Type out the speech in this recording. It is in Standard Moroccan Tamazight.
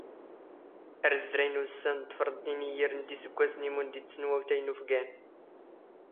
ⴰⵔ ⵣⵣⵔⴰⵢⵏ ⵓⵙⵙⴰⵏ ⴹⴼⵕⵏⵜ ⵉⵏⵏ ⵉⵢⵢⵔⵏ ⴷ ⵉⵙⴳⴳⵯⴰⵙⵏ ⵉⵎⵓⵏ ⴷⵉⴷⵙⵏ ⵡⴰⵡⵜⴰⵢ ⵏ ⵓⴼⴳⴰⵏ.